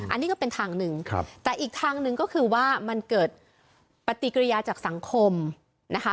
อันนี้ก็เป็นทางหนึ่งแต่อีกทางหนึ่งก็คือว่ามันเกิดปฏิกิริยาจากสังคมนะคะ